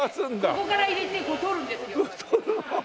ここから入れてこう取るんですよ。